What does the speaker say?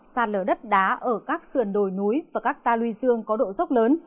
sạt lở đất đá ở các sườn đồi núi và các ta luy dương có độ dốc lớn